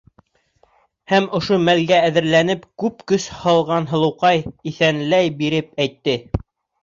Һәм, ошо мәлгә әҙерләнеп күп көс һалған һылыуҡай, иҫәнләй биреп әйтте: